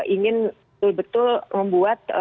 ingin betul betul membuat